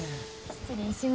失礼します。